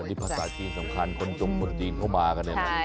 อันนี้ภาษาจีนสำคัญคนจงคนจีนพบากันอ่ะ